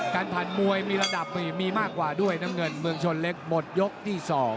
การผ่านมวยมีระดับมีมากกว่าด้วยน้ำเงินเมืองชนเล็กหมดยกที่๒